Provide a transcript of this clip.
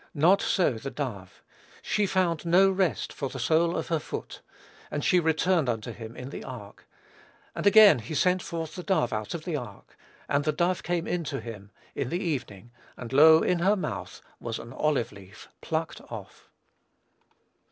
Not so the dove. "She found no rest for the sole of her foot, and she returned unto him into the ark ... and again he sent forth the dove out of the ark: and the dove came in to him, in the evening; and, lo, in her mouth was an olive leaf, pluckt off."